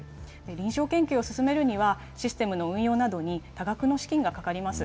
臨床研究を進めるには、システムの運用などに多額の資金がかかります。